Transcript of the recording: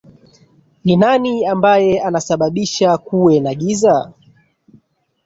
ni nani ambaye ana sababisha kuwe na giza